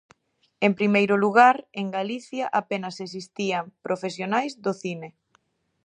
En primeiro lugar, en Galicia apenas existían profesionais do cine.